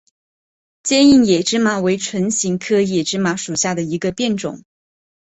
坚硬野芝麻为唇形科野芝麻属下的一个变种。